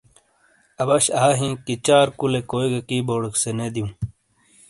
اَبَش آ ہِین کہ چار کُولے کوئی گا کی بورڈیک سے نے دیوں۔